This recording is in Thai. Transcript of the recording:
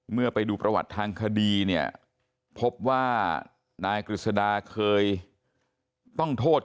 เมื่อไปดูประวัติทางคดีเนี่ยพบว่านายกฤษดาเคยต้องโทษ